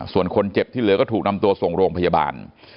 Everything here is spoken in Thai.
ส่วนคนเจ็บที่เหลือก็ถูกนำตัวส่งโรงพยาบาล